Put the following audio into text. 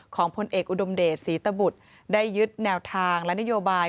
พลเอกอุดมเดชศรีตบุตรได้ยึดแนวทางและนโยบาย